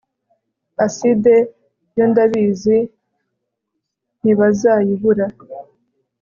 acide yo ndabizi ntibazayibura